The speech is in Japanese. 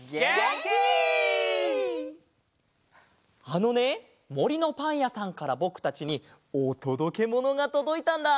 あのねもりのパンやさんからぼくたちにおとどけものがとどいたんだ！